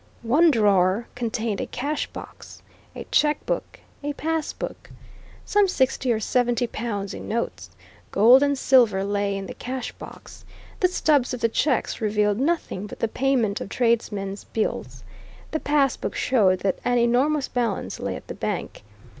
One drawer contained a cash box, a checkbook, a pass book. Some sixty or seventy pounds in notes, gold and silver lay in the cash box; the stubs of the checks revealed nothing but the payment of tradesmen's bills; the pass book showed that an enormous balance lay at the bank.